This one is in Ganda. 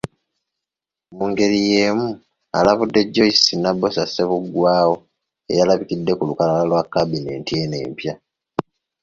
Mu ngeri y’emu alabudde Joyce Nabbosa Ssebuggwawo eyalabikidde ku lukalala lwa kabineeti eno empya.